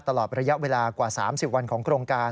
ตลอดระยะเวลากว่า๓๐วันของโครงการ